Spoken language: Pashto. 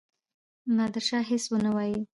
نادرشاه هیڅ ونه وايي.